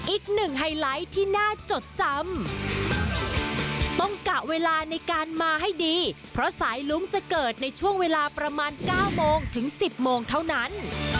อีกหนึ่งไฮไลท์ที่น่าจดจำต้องกะเวลาในการมาให้ดีเพราะสายลุ้งจะเกิดในช่วงเวลาประมาณ๙โมงถึง๑๐โมงเท่านั้น